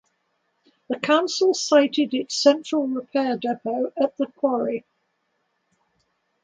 The Council sited its Central Repair Depot at the quarry.